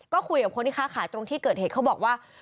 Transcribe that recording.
ก็คุยกับคนที่ค้าขายตรงที่เกิดเหตุเขาบอกว่า